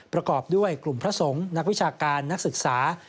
ประกอบด้วยกลุ่มพระสงฆ์นักวิชาการนักศึกษา